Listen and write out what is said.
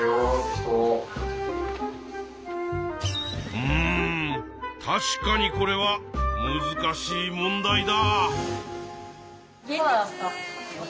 うん確かにこれはむずかしい問題だ。